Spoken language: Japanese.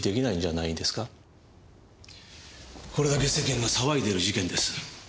これだけ世間が騒いでいる事件です。